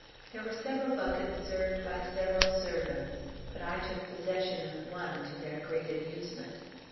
There were several buckets served by several servants; but I took possession of one, to their great amusement.